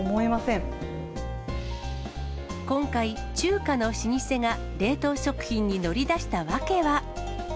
今回、中華の老舗が冷凍食品に乗り出した訳は。